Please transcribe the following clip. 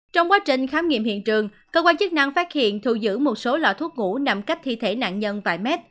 trong quá trình khám nghiệm hiện trường cơ quan chức năng phát hiện thụ giữ một số lọ thuốc ngũ nằm cách thi thể nạn nhân vài mét